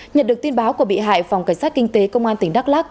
nhận được tin báo của bị hại phòng cảnh sát kinh tế công an tỉnh đắk lắc